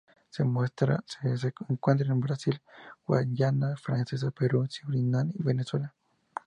Se encuentra en Brasil, Guayana Francesa, Perú, Surinam y Venezuela.